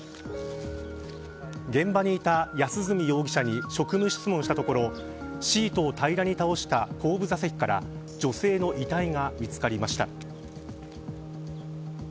現場にいた安栖容疑者に職務質問したところシートを平らに倒した後部座席から女性の遺体が見つかりました。